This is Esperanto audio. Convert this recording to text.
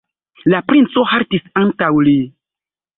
La princo haltis antaŭ li.